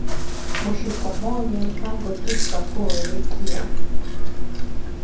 Mushi Pomone mpango tusha ku iripia